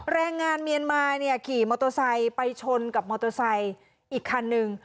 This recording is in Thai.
แรงงานเมียนมาเนี่ยขี่มอเตอร์ไซค์ไปชนกับมอเตอร์ไซค์อีกคันนึง